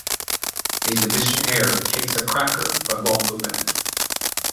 The Divisionnaire takes a cracker but won't open it.